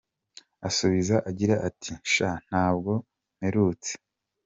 asubiza agira ati, Sha ntabwo mperutse.